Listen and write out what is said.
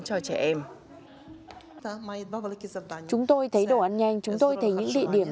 chúng tôi thấy đồ ăn nhanh chúng tôi thấy những địa điểm